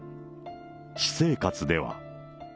私生活では。